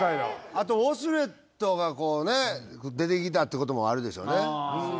あとウォシュレットがこうね出てきたってこともあるでしょうね